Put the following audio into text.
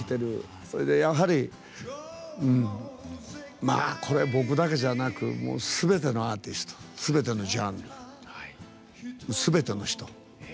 それで、やはりこれ僕だけじゃなくすべてのアーティストすべてのジャンルすべての人。